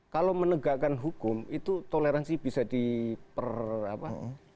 kalau menegakkan hukum itu toleransi bisa diper apa